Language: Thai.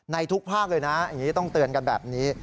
ทุกภาคเลยนะอย่างนี้ต้องเตือนกันแบบนี้